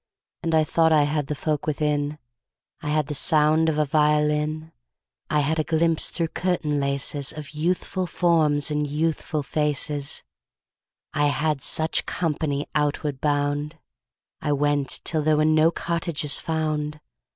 And I thought I had the folk within: I had the sound of a violin; I had a glimpse through curtain laces Of youthful forms and youthful faces. I had such company outward bound. I went till there were no cottages found.